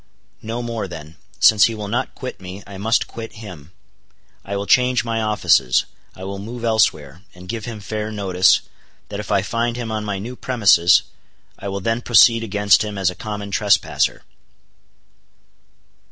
No more then. Since he will not quit me, I must quit him. I will change my offices; I will move elsewhere; and give him fair notice, that if I find him on my new premises I will then proceed against him as a common trespasser.